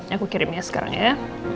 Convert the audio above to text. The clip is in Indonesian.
aku kirimnya sekarang ya